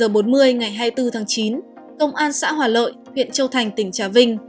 một mươi bảy h bốn mươi ngày hai mươi bốn tháng chín công an xã hòa lợi huyện châu thành tỉnh trà vinh